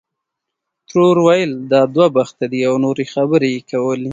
ترور ویل دا دوه بخته دی او نورې خبرې یې کولې.